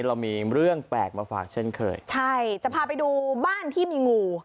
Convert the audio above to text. เรามีเรื่องแปลกมาฝากเช่นเคยใช่จะพาไปดูบ้านที่มีงู